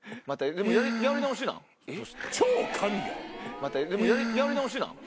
またやり直しなん？